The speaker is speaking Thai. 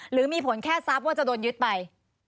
หรือมีผลแค่ทรัพย์ว่าจะโดนยึดไป